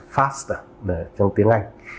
fast trong tiếng anh